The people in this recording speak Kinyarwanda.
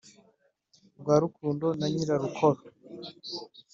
rwa rukundo na nyirarukoro,